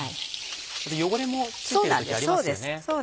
汚れも付いてる時ありますよね。